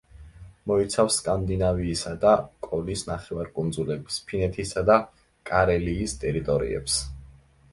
მოიცავს სკანდინავიისა და კოლის ნახევარკუნძულების, ფინეთისა და კარელიის ტერიტორიებს.